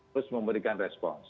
terus memberikan respon